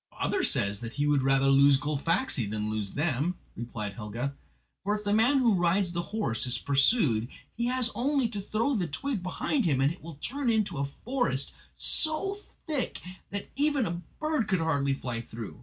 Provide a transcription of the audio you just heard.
"Bather says that he would rather lose Gullfaxi than lose them," replied Helga, "for if the man who rides the horse is pursued he has only to throw the twig behind him and it will turn into a forest, so thick that even a bird could hardly fly through.